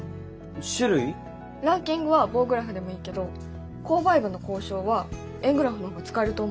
ランキングは棒グラフでもいいけど購買部の交渉は円グラフの方が使えると思う。